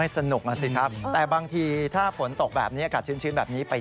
สนุกนะสิครับแต่บางทีถ้าฝนตกแบบนี้อากาศชื้นแบบนี้ไป